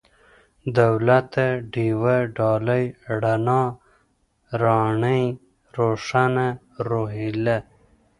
دولته ، ډېوه ، ډالۍ ، رڼا ، راڼۍ ، روښانه ، روهيله